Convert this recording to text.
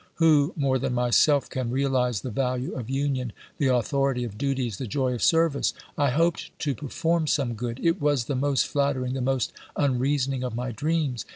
Who, more than myself, can realise the value of union, the authority of duties, the joy of service ! I hoped to perform some good^ — it was the most flattering, the most unreasoning of my dreams.